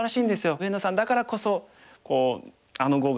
上野さんだからこそあの碁が見れた。